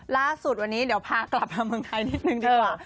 ล่าสุดวันนี้เดี๋ยวพากลับมาเมืองไทยนิดนึงดีกว่า